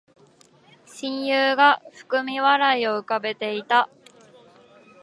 親友が含み笑いを浮かべていた